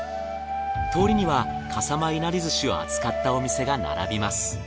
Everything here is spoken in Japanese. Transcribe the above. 通りには笠間いなり寿司を扱ったお店が並びます。